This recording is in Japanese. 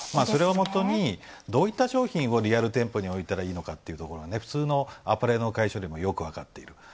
それをもとに、どういった商品をリアル店舗に置いたらいいのかっていうところ、普通のアパレルの会社でもよく分かっている。